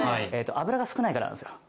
油が少ないからなんですよ